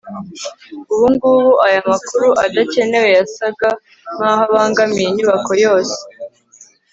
ubungubu, aya makuru adakenewe yasaga nkaho abangamiye inyubako yose